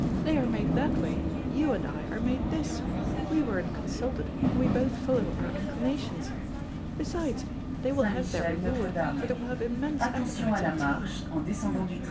They are made that way, you and I are made this. We weren't consulted, and we both follow our inclinations. Besides, they will have their reward, for they will have immense appetites at tea."